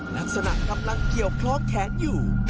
ลักษณะกำลังเกี่ยวคล้องแขนอยู่